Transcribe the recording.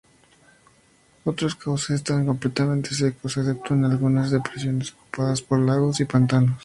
Otros cauces están completamente secos, excepto en algunas depresiones ocupadas por lagos y pantanos.